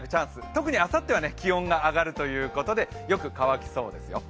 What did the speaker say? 特にあさっては気温が上がるということでよく乾きそうですよ。